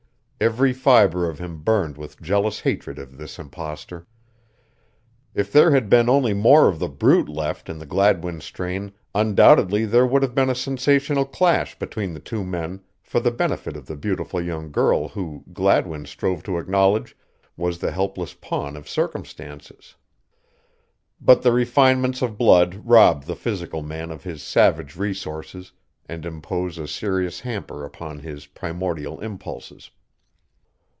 Every fibre of him burned with jealous hatred of this impostor. If there had been only more of the brute left in the Gladwin strain undoubtedly there would have been a sensational clash between the two men for the benefit of the beautiful young girl who, Gladwin strove to acknowledge, was the helpless pawn of circumstances. But the refinements of blood rob the physical man of his savage resources and impose a serious hamper upon his primordial impulses.